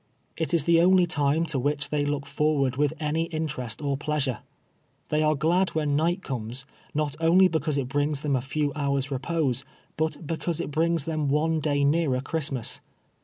It is the only time to wliich they look forward with any interest or pleasure. They are glad when night comes, not only because it brings them a few hours repose, but because it brings them one day nearer Christmas.